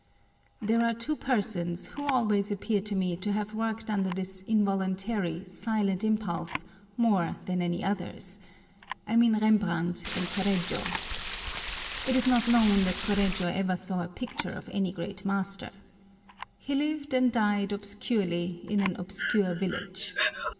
There are two persons who always appear to me to have worked under this involuntary, silent impulse more than any others ; I mean Rembrandt and Correggio. It is not known that Correggio ever saw a picture of any great master. He lived and died obscurely in an obscure village.